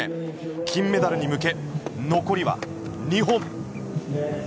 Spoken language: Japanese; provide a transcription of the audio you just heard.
金メダルに向け、残りは２本。